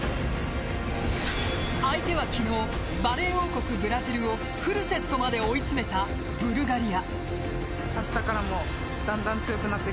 相手は昨日バレー王国・ブラジルをフルセットまで追い詰めたブルガリア。